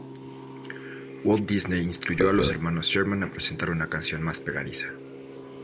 Walt Disney instruyó a los hermanos Sherman a presentar una canción más pegadiza.